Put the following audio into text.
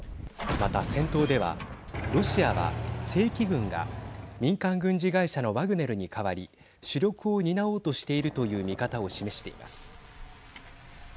また、戦闘ではロシアは正規軍が民間軍事会社のワグネルに代わり主力を担おうとしているという見方を示しています。